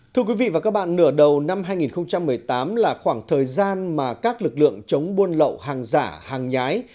thưa quý vị và các bạn nửa đầu năm hai nghìn một mươi tám là khoảng thời gian mà các lực lượng chống buôn lậu hàng giả hàng nhái